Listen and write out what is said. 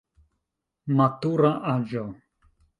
Matura aĝo.